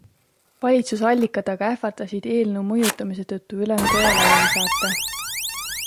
Valitsusallikad aga ähvardasid eelnõu mõjutamise tõttu ülemkoja laiali saata.